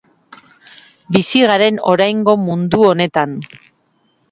Bizi garen oraingo mundu honetan.